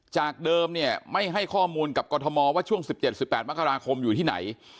จากเดิมเนี่ยไม่ให้ข้อมูลกับกรทมว่าช่วง๑๗๑๘มกราคมอยู่ที่ไหน